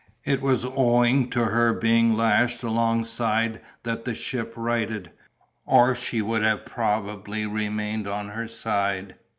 It was owing to her being lashed alongside that the ship righted, or she would have probably remained on her side.